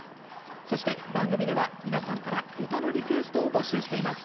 そして番組では皆さんから唄のリクエストを募集しています。